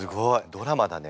ドラマだね